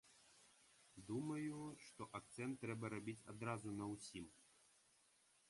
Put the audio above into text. Думаю, што акцэнт трэба рабіць адразу на ўсім.